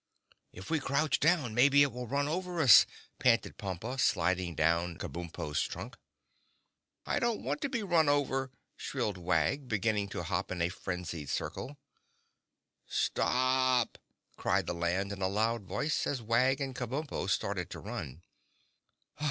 "If we crouch down maybe it will run over us," panted Pompa, sliding down Kabumpo's trunk. "I don't want to be run over," shrilled Wag, beginning to hop in a frenzied circle. "Stop!" cried the Land in a loud voice, as Wag and Kabumpo started to run.